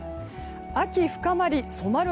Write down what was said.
秋深まり、染まる